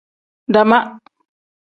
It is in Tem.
Dama.